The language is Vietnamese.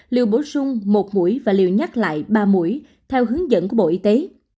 liều bổ sung một mũi và liều nhắc lại ba mũi theo hướng dẫn của bộ y tế